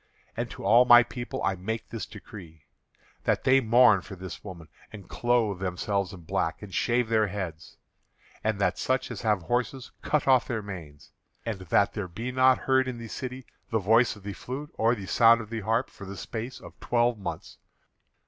And to all my people I make this decree; that they mourn for this woman, and clothe themselves in black, and shave their heads, and that such as have horses cut off their manes, and that there be not heard in the city the voice of the flute or the sound of the harp for the space of twelve months."